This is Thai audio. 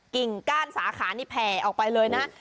กิงก้านสาขานี้แพพ์ไปเลยนะ